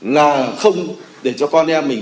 là không để cho con em mình